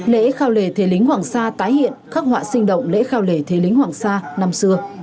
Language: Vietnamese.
lễ khao lề thế lĩnh hoàng sa tái hiện các họa sinh động lễ khao lề thế lĩnh hoàng sa năm xưa